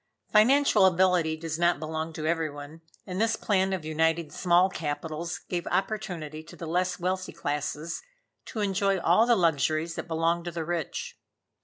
Financial ability does not belong to every one, and this plan of uniting small capitals gave opportunity to the less wealthy classes to enjoy all the luxuries that belong to the rich.